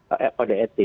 itu juga pernah terjadi